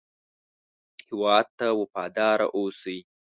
هېواد ته وفاداره اوسئ